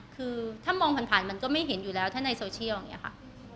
คือถ้ามองผ่านมันก็ไม่เห็นอยู่แล้วถ้าในโซเชียลอย่างนี้ค่ะ